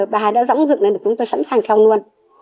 bà hải đã dõng dựng nên chúng tôi sẵn sàng theo luôn